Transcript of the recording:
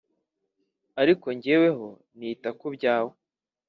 Ariko jyeweho nita kubyawe